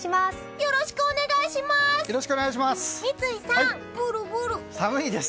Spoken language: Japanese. よろしくお願いします！